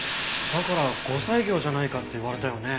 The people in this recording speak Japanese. だから後妻業じゃないかって言われたよね？